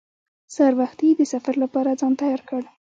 سهار وختي د سفر لپاره ځان تیار کړ.